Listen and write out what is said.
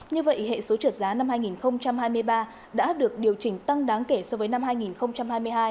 như vậy hệ số trượt giá năm hai nghìn hai mươi ba đã được điều chỉnh tăng đáng kể so với năm hai nghìn hai mươi hai